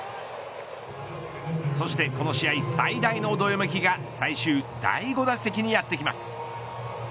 そしてこの試合最大のどよめきが最終第５打席にやってきます。